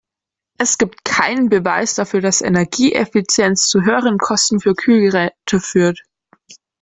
Es gibt keinen Beweis dafür, dass Energieeffizienz zu höheren Kosten für Kühlgeräte führt.